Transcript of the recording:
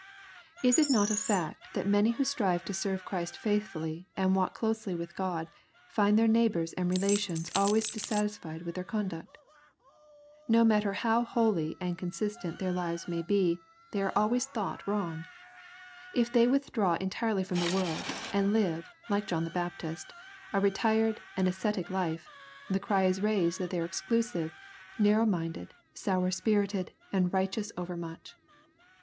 Is it not a fact that many who strive to serve Christ faithfully, and walk closely with God, find their neighbors and relations always dissatisfied with their conduct ? No matter how holy and consistent their lives may be, they are always thought wrong. If they withdraw entirely from the world, and live, like John the Baptist, a retired and ascetic life, the cry is raised that they are exclusive, narrow minded, sour spirited, and righteous overmuch.